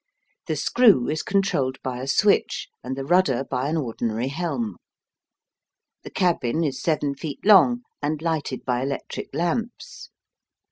The screw is controlled by a switch, and the rudder by an ordinary helm. The cabin is seven feet long, and lighted by electric lamps.